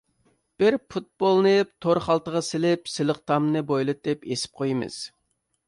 بىر پۇتبولنى تور خالتىغا سېلىپ سىلىق تامنى بويلىتىپ ئېسىپ قويىمىز.